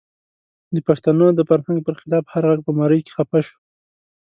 د پښتنو د فرهنګ پر خلاف هر غږ په مرۍ کې خفه شو.